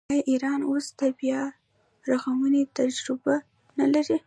آیا ایران اوس د بیارغونې تجربه نلري؟